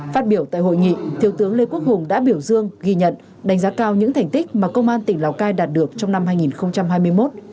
phát biểu tại hội nghị thiếu tướng lê quốc hùng đã biểu dương ghi nhận đánh giá cao những thành tích mà công an tỉnh lào cai đạt được trong năm hai nghìn hai mươi một